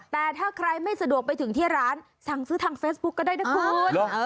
แต่ถ้าใครไม่สะดวกไปถึงที่ร้านสั่งซื้อทางเฟซบุ๊คก็ได้นะคุณ